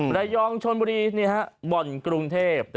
หลายยองชนบุรีนี้ครับบ่อนกรุงเทพย์